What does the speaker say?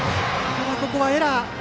ただ、ここはエラー。